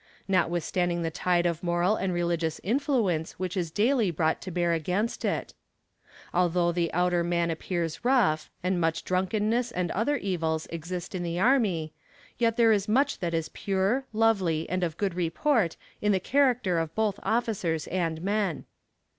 notwithstanding the tide of moral and religious influence which is daily brought to bear against it. Although the outer man appears rough, and much drunkenness and other evils exist in the army, yet there is much that is pure, lovely, and of good report in the character of both officers and men.